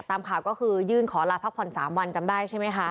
ตามข่าวก็คือยื่นขอลาพักผ่อน๓วันจำได้ใช่ไหมคะ